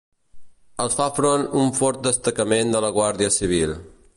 Els fa front un fort destacament de la Guàrdia Civil.